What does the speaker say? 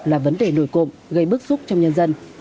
là vấn đề nổi cộng gây bức xúc trong nhân dân